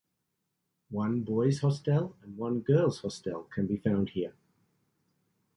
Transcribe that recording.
One boys hostel and one girls hostel can be found here.